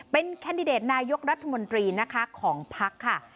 เป็นแคนดิเดตนายยกรัฐมนตรีของพักษมณ์